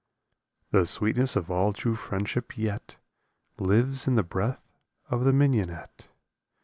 The sweetness of all true friendship yet Lives in the breath of the mignonette.